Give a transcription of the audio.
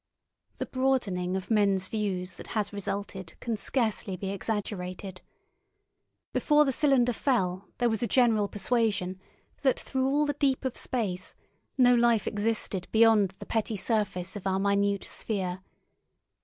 The broadening of men's views that has resulted can scarcely be exaggerated. Before the cylinder fell there was a general persuasion that through all the deep of space no life existed beyond the petty surface of our minute sphere.